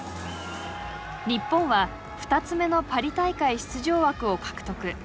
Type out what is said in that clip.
日本は２つ目のパリ大会出場枠を獲得。